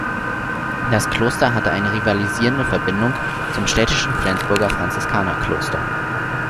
Das Kloster hatte eine rivalisierende Verbindung zum städtischen Flensburger Franziskanerkloster.